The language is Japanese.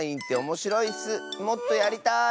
もっとやりたい！